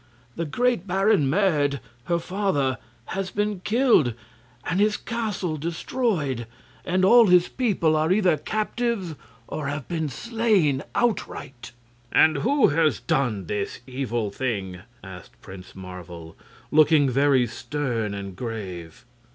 The great Baron Merd, her father, has been killed and his castle destroyed, and all his people are either captives or have been slain outright." "And who has done this evil thing?" asked Prince Marvel, looking very stern and grave.